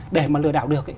để mà lừa đảo được ấy